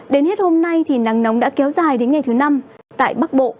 đến hết hôm nay thì nắng nóng đã kéo dài đến ngày thứ năm tại bắc bộ